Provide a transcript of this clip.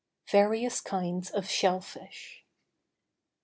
VARIOUS KINDS OF SHELL FISH.